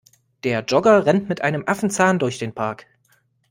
Der Jogger rennt mit einem Affenzahn durch den Park.